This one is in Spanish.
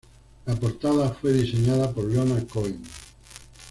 La portada fue diseñada por Leonard Cohen.